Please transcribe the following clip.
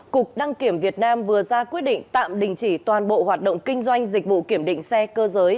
cục đăng kiểm việt nam vừa ra quyết định tạm đình chỉ toàn bộ hoạt động kinh doanh dịch vụ kiểm định xe cơ giới